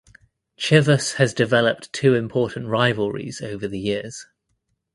Chivas has developed two important rivalries over the years.